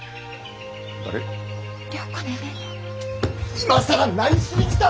今更何しに来た！